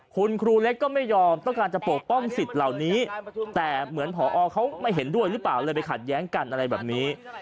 คุณครูเล็กก็ไม่ยอมต้องการจะปกป้องสิทธิ์เหล่านี้แต่เหมือนผอเขาไม่เห็นด้วยหรือเปล่าเลยไปขัดแย้งกันอะไรแบบนี้